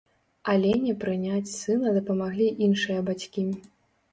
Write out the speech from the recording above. Алене прыняць сына дапамаглі іншыя бацькі.